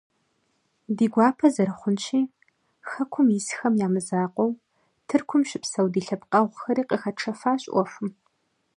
Ди гуапэ зэрыхъунщи, хэкум исхэм я мызакъуэу, Тыркум щыпсэу ди лъэпкъэгъухэри къыхэтшэфащ ӏуэхум.